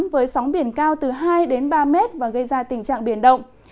với sóng biển cao từ hai đến ba mét và gây ra tình trạng biển động